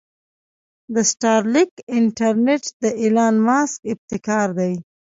د سټارلنک انټرنټ د ايلان مسک ابتکار دې.